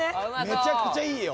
めちゃくちゃいいよ。